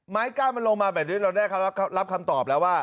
ไม้กั้นมันลงมาเราได้คำนับคำตอบแล้วว่า